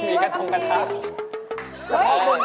มีกระทงกระทะ